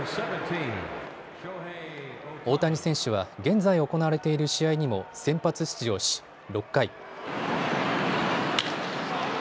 大谷選手は現在行われている試合にも先発出場し、６回。